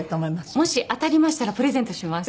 もし当たりましたらプレゼントします。